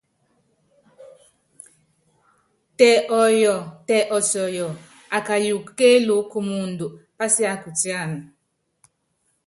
Tɛ ɔyɔ, tɛ ɔtiɔ́yɔ́ɔ, akayuku kélúkú kumuundɔ pásiákutíána.